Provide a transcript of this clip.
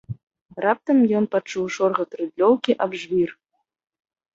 Раптам ён пачуў шоргат рыдлёўкі аб жвір.